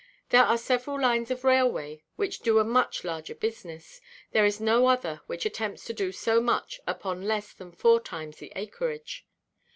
There are several lines of railway which do a much larger business; there is no other which attempts to do so much upon less than four times the acreage.